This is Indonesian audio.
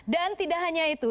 dan tidak hanya itu